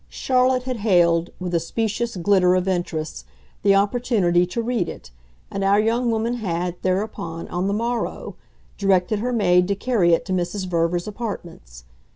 Charlotte had hailed, with a specious glitter of interest, the opportunity to read it, and our young woman had, thereupon, on the morrow, directed her maid to carry it to Mrs. Verver's apartments.